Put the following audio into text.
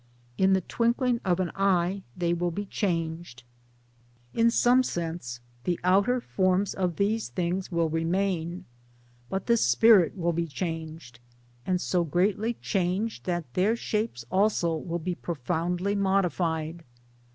"In the twinkling of an eye they will be changed." Im B.T4 MY DAYS AND, DREAMS sortie sense the outer forms of these things will remain ; 'but the Spirit will be changed ; and so greatly changed that their shapes also will 1 be pro foundly modified.